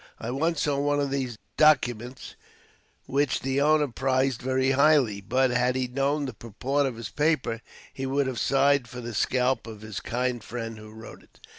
I once saw one of these documents which the owner prized very highly, but, had he known the purport of his paper, he would have sighed for the scalp of his kind friend who wrote it.